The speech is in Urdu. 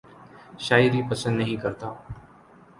شاعری پسند نہیں کرتا